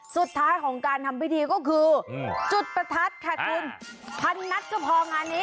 สุดท้ายของการทำพิธีก็คือจุดประทัดค่ะคุณพันนัดก็พองานนี้